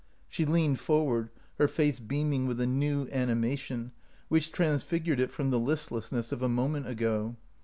She leaned for ward, her face beaming with a new anima tion, which transfigured it from the listless ness of a moment ago.